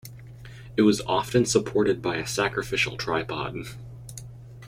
It was often supported by a sacrificial tripod.